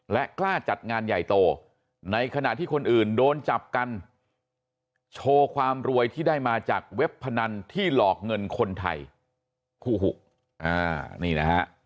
และกล้าจัดงานใหญ่โตในขณะที่คนอื่นโดนจับกันโชว์ความรวยที่ได้มาจากเว็บพนันที่หลอกเงินคนไทยคู่หุนี่นะฮะ